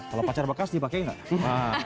kalau pacar bekas dipakai nggak